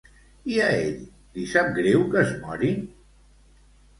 I a ell, li sap greu que es morin?